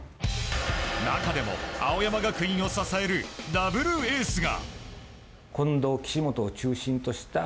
中でも青山学院を支えるダブルエースが。